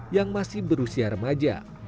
yang masih berusia remaja